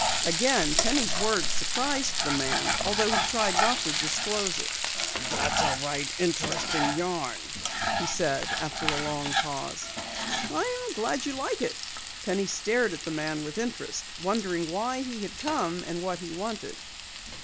Again Penny's words surprised the man although he tried not to disclose it. "That's a right interesting yarn," he said after a long pause. "I'm glad you like it." Penny stared at the man with interest, wondering why he had come and what he wanted.